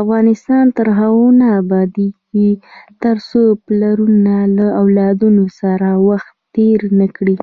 افغانستان تر هغو نه ابادیږي، ترڅو پلرونه له اولادونو سره وخت تیر نکړي.